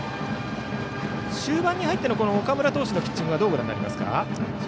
終盤に入っての岡村投手のピッチングはどうご覧になりますか。